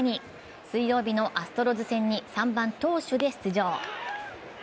水曜日のアストロズ戦に３番・投手で出場。